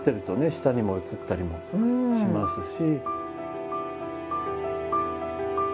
下にも映ったりもしますし。